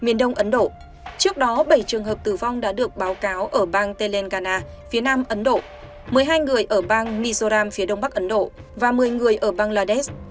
ấn độ trước đó bảy trường hợp tử vong đã được báo cáo ở bang telangana phía nam ấn độ một mươi hai người ở bang mizoram phía đông bắc ấn độ và một mươi người ở bangladesh